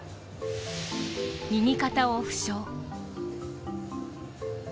右肩を負傷。